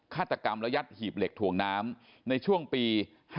ฆาตศักดรรยัติ์หีบเหล็กถวงน้ำในช่วงปี๕๔๕๕